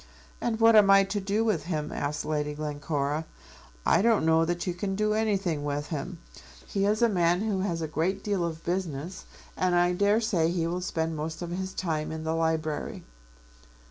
"And what am I to do with him?" asked Lady Glencora. "I don't know that you can do anything with him. He is a man who has a great deal of business, and I dare say he will spend most of his time in the library."